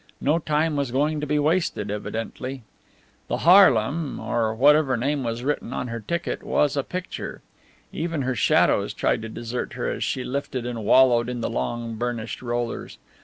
No time was going to be wasted evidently. The Haarlem or whatever name was written on her ticket was a picture. Even her shadows tried to desert her as she lifted and wallowed in the long, burnished rollers.